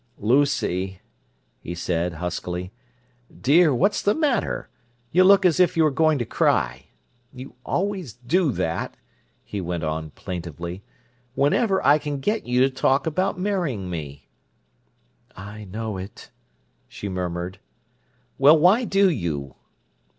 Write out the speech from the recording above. "Lucy!" he said huskily. "Dear, what's the matter? You look as if you were going to cry. You always do that," he went on plaintively, "whenever I can get you to talk about marrying me." "I know it," she murmured. "Well, why do you?"